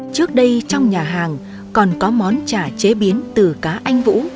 trước đây trong nhà hàng còn có món chả chế biến từ cá anh vũ